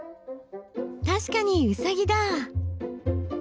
確かにウサギだ！